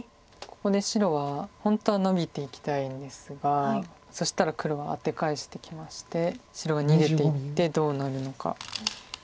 ここで白は本当はノビていきたいんですがそしたら黒はアテ返してきまして白が逃げていってどうなるのか。